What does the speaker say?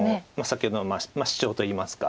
先ほどのシチョウといいますか。